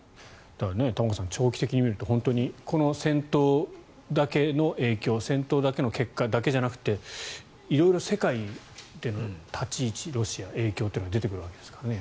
玉川さん、長期的に見るとこの戦闘だけの影響戦闘だけの結果じゃなくて色々世界での立ち位置、ロシア影響が出てくるわけですからね。